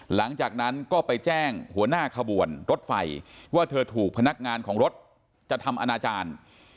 หลังจากนั้นก็ไปแจ้งหัวหน้าขบวนรถไฟว่าเธอถูกพนักงานของรถจะทำอนาจารย์